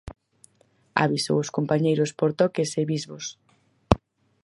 Avisou os compañeiros por toques e bisbos.